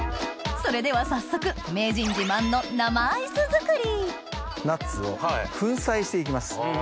それでは早速名人自慢の生アイス作りナッツを粉砕して行きます。